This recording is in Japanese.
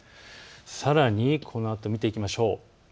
さらにこのあと見ていきましょう。